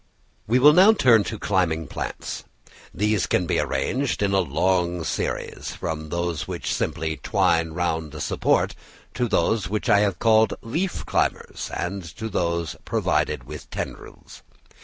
We will now turn to climbing plants. These can be arranged in a long series, from those which simply twine round a support, to those which I have called leaf climbers, and to those provided with tendrils.